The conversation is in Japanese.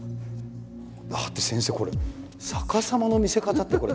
だって先生これ逆さまの見せ方ってこれ。